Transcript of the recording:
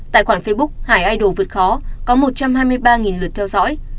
tài khoản facebook hải idol vượt khó có một trăm hai mươi ba lượt theo dõi